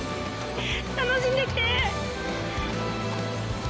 楽しんで来て！